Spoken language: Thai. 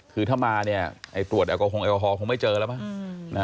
คือถ้ามาตรวจแอลกอฮอล์แอลกอฮอล์คงไม่เจอแล้วนะ